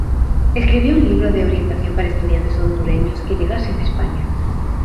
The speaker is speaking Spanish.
Escribió un libro de orientación para estudiantes hondureños que llegasen a España.